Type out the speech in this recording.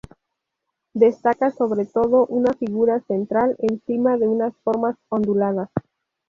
Destaca sobre todo una figura central encima de unas formas onduladas.